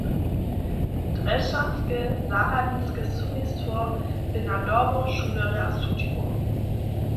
Drježdźanske zarjadniske sudnistwo bě na dobro šulerja sudźiło.